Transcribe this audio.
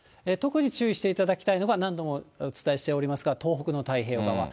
特に注意していただきたいのが、何度もお伝えしておりますが、東北の太平洋側。